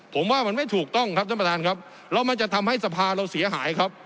ผมว่ามันไม่ถูกต้องครับท่านประธานครับแล้วมันจะทำให้สภาเราเสียหายครับ